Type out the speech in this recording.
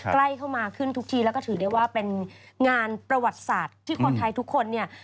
ใกล้เข้ามาขึ้นทุกทีแล้วก็ถือได้ว่าเป็นงานประวัติศาสตร์ที่คนไทยทุกคนเนี่ย